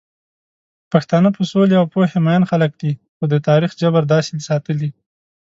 پښتانه په سولې او پوهې مئين خلک دي، خو د تاريخ جبر داسې ساتلي